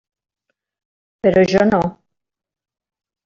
Però jo no.